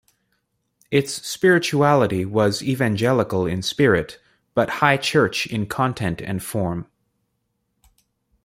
Its spirituality was Evangelical in spirit, but High Church in content and form.